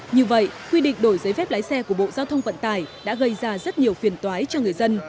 như vậy quy định đổi giấy phép lái xe của bộ giao thông vận tải đã gây ra rất nhiều phiền toái cho người dân